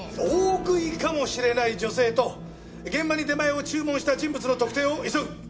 大食いかもしれない女性と現場に出前を注文した人物の特定を急ぐ。